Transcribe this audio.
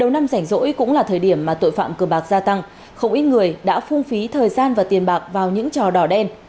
đầu năm rảnh rỗi cũng là thời điểm mà tội phạm cờ bạc gia tăng không ít người đã phung phí thời gian và tiền bạc vào những trò đỏ đen